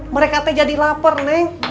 mereka teh jadi lapar nih